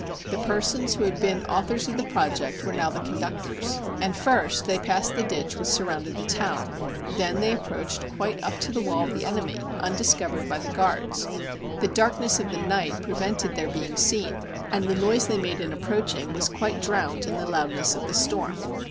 The persons who had been authors of the project were now the conductors. And first, they passed the ditch which surrounded the town ; then they approached quite up to the wall of the enemy, undiscov ered by the guards. The darkness of the night prevented their being seen, and the noise they made in approach ing was quite drowned in the loudness of the storm.